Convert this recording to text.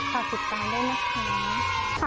ขอติดตามได้ไหมคะ